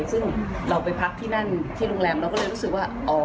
ซึ่งเราไปพักที่นั่นที่โรงแรมเราก็เลยรู้สึกว่า